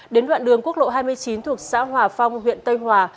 đến đoạn đường quốc lộ hai mươi chín thuộc xã hòa phong huyện tây hòa